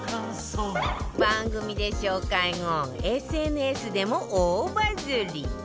番組で紹介後 ＳＮＳ でも大バズリ